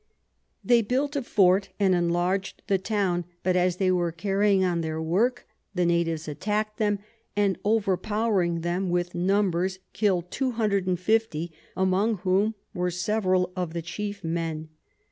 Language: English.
They built a Fort, and enlarg'd the Town; but as they were carrying on their Work, the Natives attack'd them, and overpowering them with Numbers, kill'd 250, among whom were several of the chief Men.